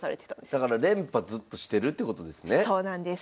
だから連覇ずっとしてるってことですね。